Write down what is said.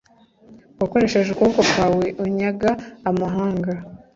wakoresheje ukuboko kwawe, unyaga amahanga